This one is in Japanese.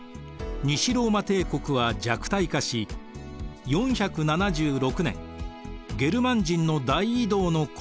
西ローマ帝国は弱体化し４７６年ゲルマン人の大移動の混乱のなか滅びました。